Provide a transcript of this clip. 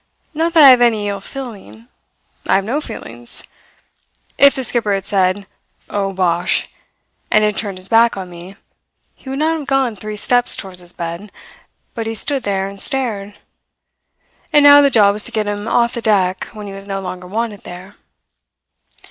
Not that I have any ill feeling. I have no feelings. If the skipper had said, 'O, bosh!' and had turned his back on me, he would not have gone three steps towards his bed; but he stood there and stared. And now the job was to get him off the deck when he was no longer wanted there.